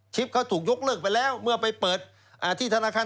เขาถูกยกเลิกไปแล้วเมื่อไปเปิดที่ธนาคาร